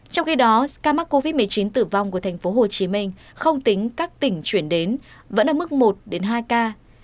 trong khi đó ca mắc covid một mươi chín tử vong của tp hcm không tính các tỉnh chuyển đến vẫn ở mức một hai ca